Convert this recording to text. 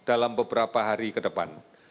dalam beberapa hari ke depan